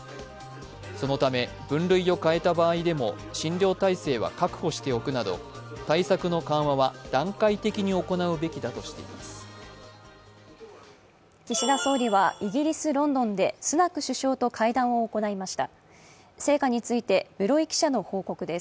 そのため、分類を変えた場合でも診療体制は確保しておくなど対策の緩和は段階的に行うべきだとしています。